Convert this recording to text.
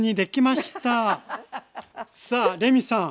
さあレミさん